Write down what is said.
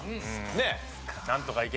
ねえ。